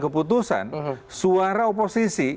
keputusan suara oposisi